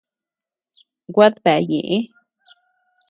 Guad bea neʼë.